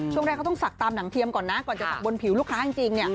ช่วงแรกเขาต้องสักตามหนังเทียมก่อนนะก่อนจะสักบนผิวลูกค้าจริงเนี่ย